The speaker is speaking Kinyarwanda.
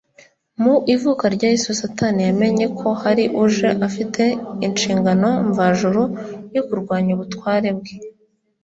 Mu ivuka rya Yesu, Satani yamenye ko hari uje afite inshingano mvajuru yo kurwanya ubutware bwe